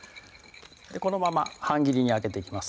このまま半切りに開けていきます